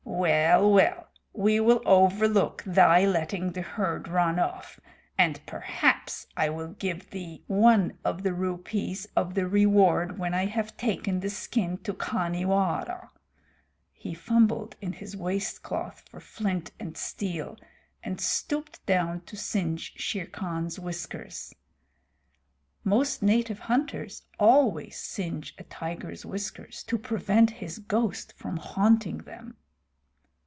Well, well, we will overlook thy letting the herd run off, and perhaps I will give thee one of the rupees of the reward when I have taken the skin to Khanhiwara." He fumbled in his waist cloth for flint and steel, and stooped down to singe Shere Khan's whiskers. Most native hunters always singe a tiger's whiskers to prevent his ghost from haunting them.